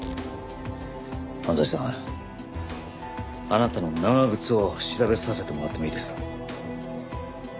あなたの長靴を調べさせてもらってもいいですか？